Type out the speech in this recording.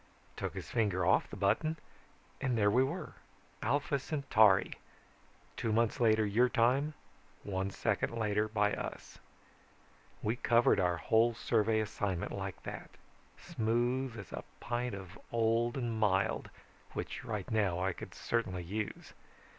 Took his finger off the button and there we were: Alpha Centauri. Two months later your time, one second later by us. We covered our whole survey assignment like that, smooth as a pint of old and mild which right now I could certainly use.